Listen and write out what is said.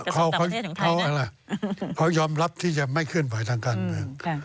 เขายอมลับที่จะไม่ขึ้นปล่อยทางการเมือง